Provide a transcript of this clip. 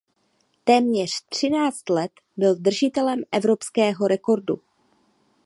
Téměř třináct let byl držitelem evropského rekordu.